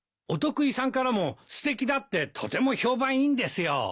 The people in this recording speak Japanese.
お得意さんからもすてきだってとても評判いいんですよ。